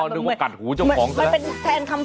นึกว่ากัดหูเจ้าของซะนะ